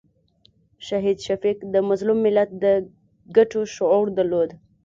شهید شفیق د مظلوم ملت د ګټو شعور درلود.